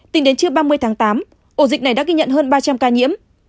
tính đến trưa ba mươi tháng tám ổ dịch này đã ghi nhận hơn ba trăm linh ca nhiễm